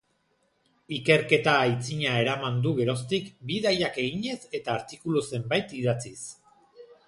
Ikerketa aitzina eraman du geroztik, bidaiak eginez, eta artikulu zenbait idatziz.